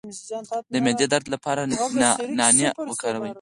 د معدې درد لپاره نعناع وکاروئ